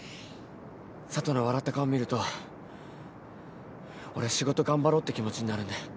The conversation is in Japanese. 佐都の笑った顔見ると俺仕事頑張ろうって気持ちになるんだよ。